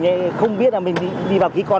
mình viết lỗi mình viết lỗi xin lỗi